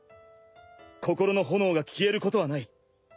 心の炎が消えることはない。